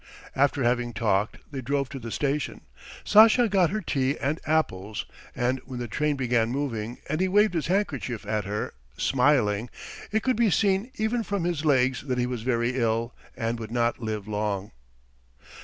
After having talked they drove to the station. Sasha got her tea and apples; and when the train began moving and he waved his handkerchief at her, smiling, it could be seen even from his legs that he was very ill and would not live long.